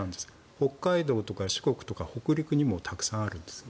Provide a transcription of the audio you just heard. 北海道とか四国とか北陸にもたくさんあるんですね。